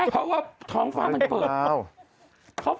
เพราะว่าท้องฟ้ามันเปิด